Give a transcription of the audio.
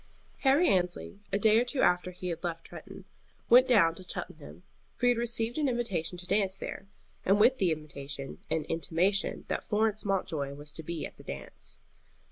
Harry Annesley, a day or two after he had left Tretton, went down to Cheltenham; for he had received an invitation to a dance there, and with the invitation an intimation that Florence Mountjoy was to be at the dance.